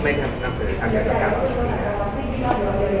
พวกมันจัดสินค้าที่๑๙นาที